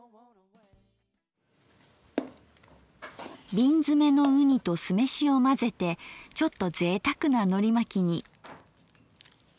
瓶詰めのうにと酢飯を混ぜてちょっとぜいたくなのりまきに。